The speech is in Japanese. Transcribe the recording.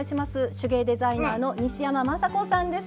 手芸デザイナーの西山眞砂子さんです。